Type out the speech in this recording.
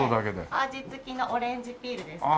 味つきのオレンジピールですとか。